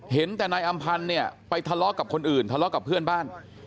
เห็นแต่นายอำพันธ์เนี่ยไปทะเลาะกับคนอื่นทะเลาะกับเพื่อนบ้าน